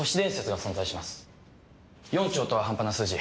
４丁とは半端な数字。